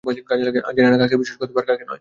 জানি না কাকে বিশ্বাস করতে হবে আর কাকে নয়।